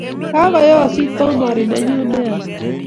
Kakoyosit bomori ne nyun nea